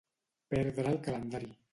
Perdre el calendari.